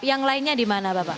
yang lainnya di mana bapak